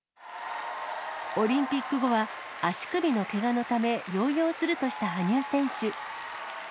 オリンピック後は、足首のけがのため療養するとした羽生選手。